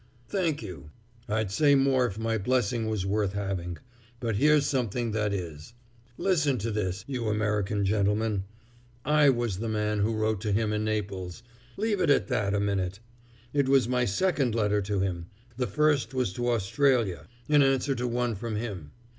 "Thank you! I'd say more if my blessing was worth having but here's something that is. Listen to this, you American gentleman: I was the man who wrote to him in Naples. Leave it at that a minute; it was my second letter to him; the first was to Australia, in answer to one from him.